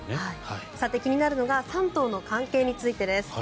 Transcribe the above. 気になるのが３頭の関係についてです。